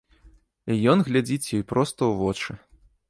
І ён глядзіць ёй проста ў вочы.